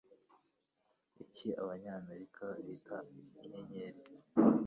Iki Abanyamerika bita inyenyeri amazina